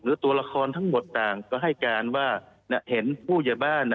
ตัวละครทั้งหมดต่างก็ให้การว่าเห็นผู้ใหญ่บ้าน